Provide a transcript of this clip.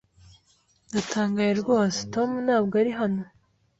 Ndatangaye rwose Tom ntabwo ari hano.